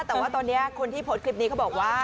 แต่ว่าตอนนี้คนที่โพสต์คลิปนี้เขาบอกว่า